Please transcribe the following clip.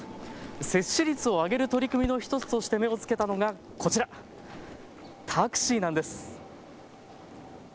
接種率を上げる取り組みの１つとして目をつけたのが、こちら、タクシーなんです。